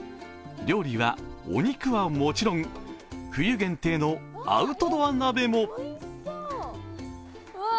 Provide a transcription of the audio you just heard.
料理はお肉はもちろん、冬限定のアウトドア鍋も。